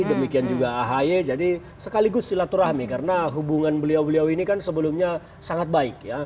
demikian juga ahy jadi sekaligus silaturahmi karena hubungan beliau beliau ini kan sebelumnya sangat baik ya